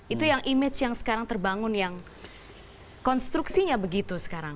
itu yang image yang sekarang terbangun yang konstruksinya begitu sekarang